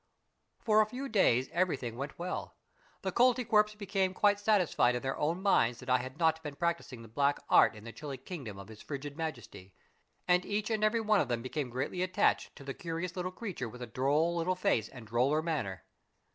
For a few days everything went well. The Koltykwerps became quite satisfied in their own minds that I had not been practising the black art in the chilly kingdom of his frigid Majesty, and each and every one of them became greatly at tached to the curious little creature with the droll little face and droller manner.